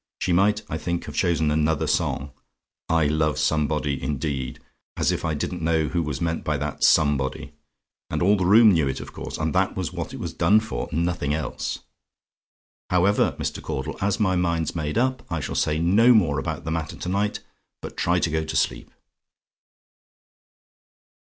She might, I think, have chosen another song. 'I LOVE SOMEBODY,' indeed; as if I didn't know who was meant by that 'somebody'; and all the room knew it, of course; and that was what it was done for, nothing else. "However, Mr. Caudle, as my mind's made up, I shall say no more about the matter to night, but try to go to sleep."